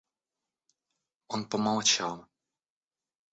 Он помолчал.